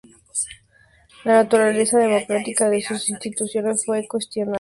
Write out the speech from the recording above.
La naturaleza democrática de sus instituciones fue cuestionada.